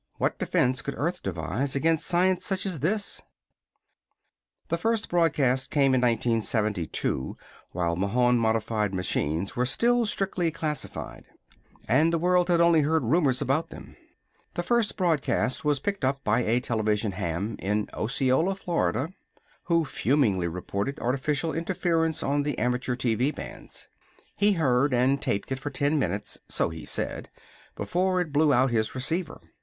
What defense could Earth devise against science such as this?_ [Illustration: Did the broadcasts foretell flesh rending supersonic blasts?] The first broadcast came in 1972, while Mahon modified machines were still strictly classified, and the world had heard only rumors about them. The first broadcast was picked up by a television ham in Osceola, Florida, who fumingly reported artificial interference on the amateur TV bands. He heard and taped it for ten minutes so he said before it blew out his receiver.